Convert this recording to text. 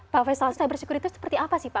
pak faisal cyber security seperti apa sih pak